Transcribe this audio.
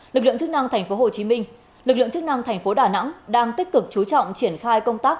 lực lượng chức năng tp hcm lực lượng chức năng thành phố đà nẵng đang tích cực chú trọng triển khai công tác